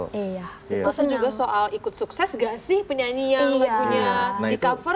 terus juga soal ikut sukses gak sih penyanyi yang lagunya di cover